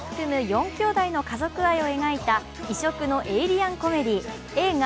４きょうだいの家族愛を描いた異色のエイリアンコメディ映画